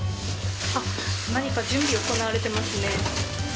何か準備、行われていますね。